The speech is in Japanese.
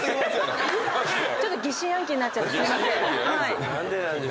ちょっと疑心暗鬼になっちゃってすいません。